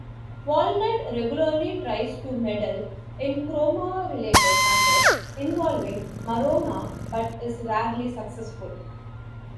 Walnut regularly tries to meddle in Chroma-related matters involving Marona, but is rarely successful.